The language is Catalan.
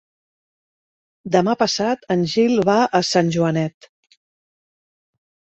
Demà passat en Gil va a Sant Joanet.